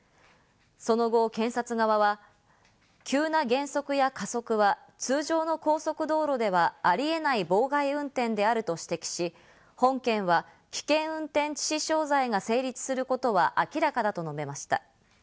その後、検察側は急な減速や加速は通常の高速道路ではありえない妨害運転であると指摘し、本件は危険運転致死傷罪が成立することは明らかだと述べました。